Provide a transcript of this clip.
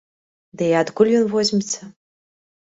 Ды і адкуль ён возьмецца?!